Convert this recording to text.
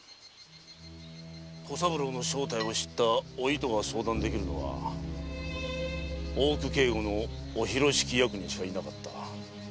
小三郎の正体を知ったお糸が相談できるのは大奥警護の御広敷役人しかいなかった。